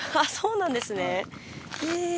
そうなんですね。